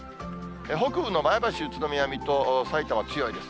北部の前橋、宇都宮、水戸、さいたま、強いです。